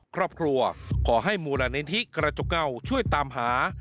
ครอบครัวขอให้มูลนิธิกระจกเงาช่วยตามหา